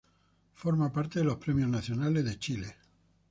Forma parte de los Premios Nacionales de Chile.